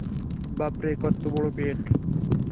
বাপরে, কত্তবড় পেট!